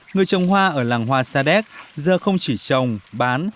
người trồng hoa ở làng hoa sa đéc giờ không chỉ trồng bán